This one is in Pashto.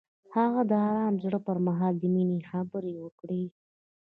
هغه د آرام زړه پر مهال د مینې خبرې وکړې.